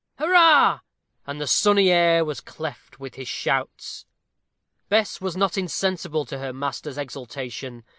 hurrah!" And the sunny air was cleft with his shouts. Bess was not insensible to her master's exultation.